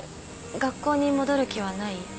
学校に戻る気はない？